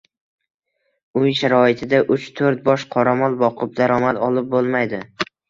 Uy sharoitida uch-to‘rt bosh qoramol boqib daromad olib bo‘lmaydi